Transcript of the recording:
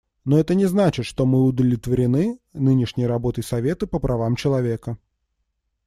Но это не значит, что мы удовлетворены нынешней работой Совета по правам человека.